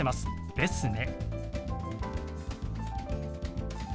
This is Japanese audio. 「ですね」。